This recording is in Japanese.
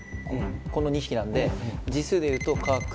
この２匹なんで字数で言うと「カク」